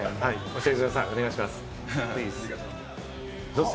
教えてください、お願いします。